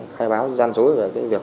khai báo gian dối về cái việc